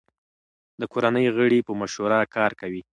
د کورنۍ غړي په مشوره کار کوي.